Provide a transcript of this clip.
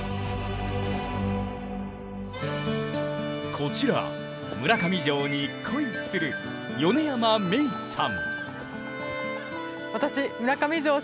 こちら村上城に恋する米山芽衣さん。